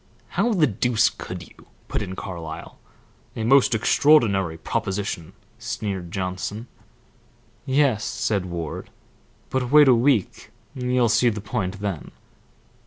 "How the deuce could you?" put in Carlyle. "A most extraordinary proposition," sneered Johnson. "Yes," said Ward; "but wait a week you'll see the point then."